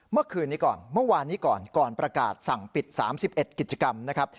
เมื่อคืนนี้ก่อนเมื่อวานนี้ก่อนก่อนประกาศสั่งปิด๓๑กิจกรรมนะครับ